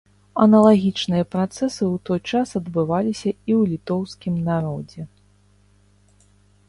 Аналагічныя працэсы ў той час адбываліся і ў літоўскім народзе.